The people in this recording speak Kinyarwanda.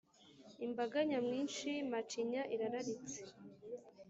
Imbaga nyamwinshi macinya irararitse